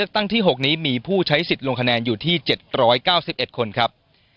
ตั้งที่๖นี้มีผู้ใช้สิทธิ์ลงคะแนนอยู่ที่๗๙๑คนครับ